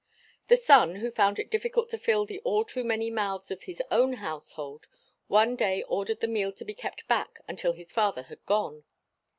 The son who found it difficult to fill the all too many mouths of his own household one day ordered the meal to be kept back until his father had gone.